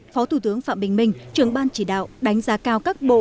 phó thủ tướng phạm bình minh trường ban chỉ đạo đánh giá cao các bộ